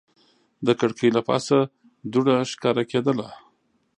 د کړکۍ له پاسه دوړه ښکاره کېده.